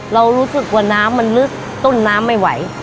เรารู้สึกว่าน้ำมันลึกต้นน้ำไม่ไหว